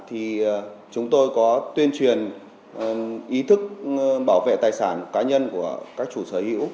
thì chúng tôi có tuyên truyền ý thức bảo vệ tài sản cá nhân của các chủ sở hữu